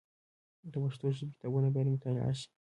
د پښتو ژبي کتابونه باید مطالعه سي.